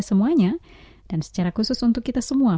hanya dalam damai tuhan ku terima